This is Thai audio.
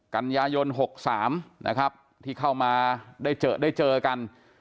กันยายน๖๓นะครับที่เข้ามาได้เจอได้เจอกัน